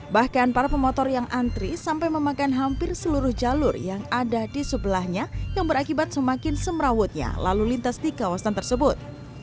bahkan para pemotor yang antri sampai memakan hampir seluruh jalur yang ada di sebelahnya yang berakibat semakin semrawutnya lalu lintas di kawasan tersebut